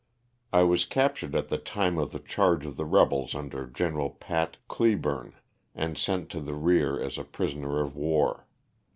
I was captured at the time of the charge of the rebels under Gen. Pat. Cleburne, and sent to the rear as a prisoner of war.